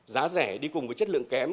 giá rẻ đi cùng với chất lượng kém